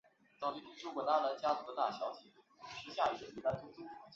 日高本线。